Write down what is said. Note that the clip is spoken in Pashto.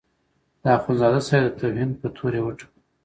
د اخندزاده صاحب د توهین په تور یې وټکاوه.